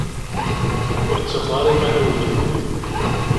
Ur ttafeɣ ara iman-iw deg unebdu.